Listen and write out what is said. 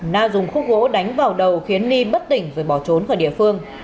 na dùng khúc gỗ đánh vào đầu khiến ni bất tỉnh rồi bỏ trốn khỏi địa phương